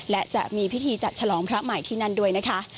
และจะมีพิธีจัดฉลองพระใหม่ที่นั่นด้วยนะคะ